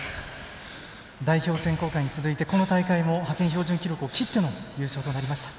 代表選考会に続いてこの大会も派遣標準記録を切っての優勝となりました。